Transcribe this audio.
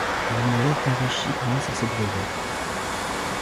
Il meurt enrichi grâce à ses brevets.